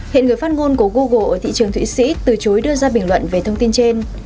hiện người phát ngôn của google ở thị trường thụy sĩ từ chối đưa ra bình luận về thông tin trên